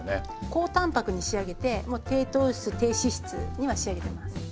高タンパクに仕上げてもう低糖質低脂質には仕上げてます。